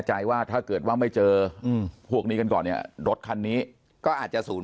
ใจว่าถ้าเกิดว่าไม่เจอพวกนี้กันก่อนเนี่ยรถคันนี้ก็อาจจะศูนย์